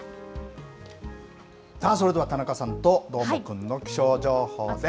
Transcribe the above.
さあそれでは田中さんと、どーもくんの気象情報です。